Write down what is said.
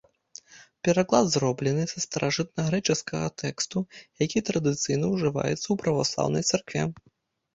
Пераклад зроблены са старажытнагрэчаскага тэксту, які традыцыйна ўжываецца ў праваслаўнай царкве.